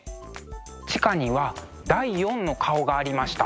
地下には第４の顔がありました。